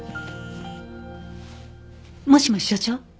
もしもし所長？